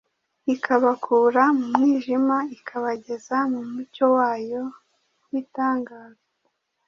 ikabakura mu mwijima, ikabageza mu mucyo wayo w’itangaza.